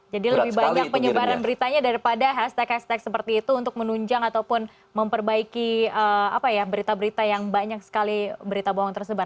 jadi lebih banyak penyebaran beritanya daripada hashtag hashtag seperti itu untuk menunjang ataupun memperbaiki berita berita yang banyak sekali berita bohong tersebar